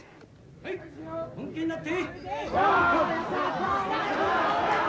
はい本気になって。